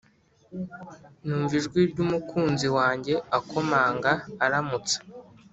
Numva ijwi ry umukunzi wanjye akomanga aramutsa